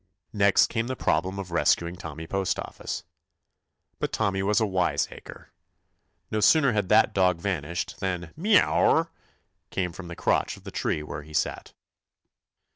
Next came the problem of res cuing Tommy Postoffice. But Tom my was a wiseacre. No sooner had that dog vanished than "M r o wow," came from the crotch of the tree where he sat.